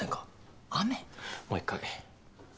もう１回。